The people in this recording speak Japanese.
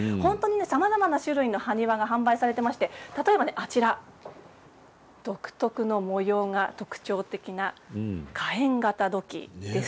さまざまな種類の埴輪が販売されていまして例えばあちら独特の模様が特徴的な火炎型土器です。